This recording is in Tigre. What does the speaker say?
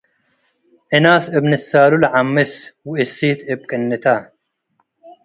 እናስ እብ ንሳሉ ለዐምስ ወእሲት እብ ቅንተ።